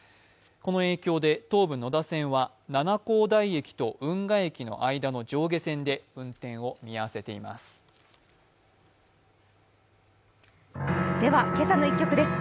この影響で東武野田線は七光台駅と運河駅の間の上下線で運転を見合わせています。